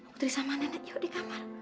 putri sama nenek yuk di kamar